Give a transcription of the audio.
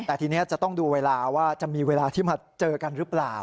แต่ทีนี้จะต้องดูเวลาว่าจะมีเวลาที่มาเจอกันหรือเปล่า